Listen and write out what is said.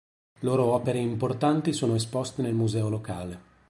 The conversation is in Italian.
Loro opere importanti sono esposte nel museo locale.